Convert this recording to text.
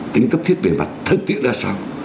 tính cấp thiết về mặt thân thiết là sao